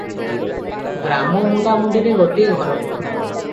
ଗ୍ରାମ ମୁଣ୍ଡାମୁଣ୍ଡିରେ ଗୋଟିଏ ଘର ।